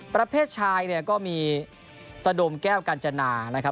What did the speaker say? ประเภทชายเนี่ยก็มีสะดมแก้วกัญจนานะครับ